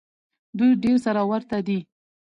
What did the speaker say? دوی ډېر سره ورته دي.